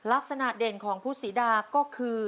ลักษณะเด่นของพุทธศีดาก็คือ